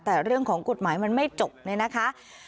แต่เรื่องของกฎหมายมันไม่จบเนี่ยนะคะ